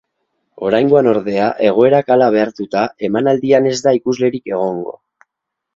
Oraingoan, ordea, egoerak hala behartuta, emanaldian ez da ikuslerik egongo.